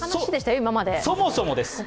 そもそもです！